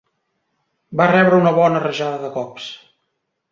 Va rebre una bona rajada de cops.